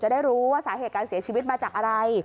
ได้รู้ว่าสาเหตุการเสียชีวิตมาจากอะไร